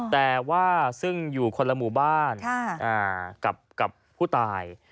แต่ว่าซึ่งอยู่คนละหมู่บ้านกับผู้ตาย